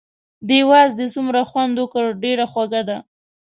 دې وازدې څومره خوند وکړ، ډېره خوږه ده.